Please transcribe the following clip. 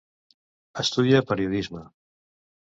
Estudia periodisme.